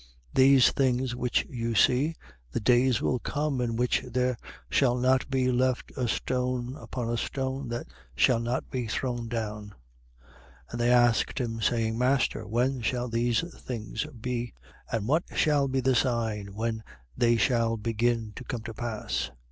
These things which you see, the days will come in which there shall not be left a stone upon a stone that shall not be thrown down. 21:7. And they asked him, saying: Master, when shall these things be? And what shall be the sign when they shall begin to come to pass?